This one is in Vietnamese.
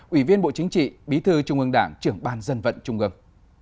ủy viên bộ chính trị bí thư trung ương đảng trưởng ban dân vận trung ương